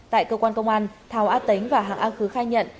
tại cơ quan công an thảo a tính và hạng a khứ khai nhận